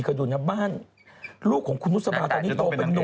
เคยดูนะบ้านลูกของคุณนุษบาตอนนี้โตเป็นนุ่ม